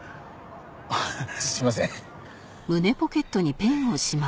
あっすいません。